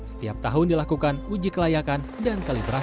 setiap tahun dilakukan uji kelayakan dan kalibrasi